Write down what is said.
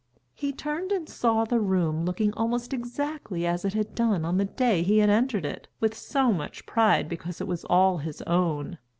He turned and saw the room looking almost exactly as it had done on the day he had entered it with so much pride because it was all his own.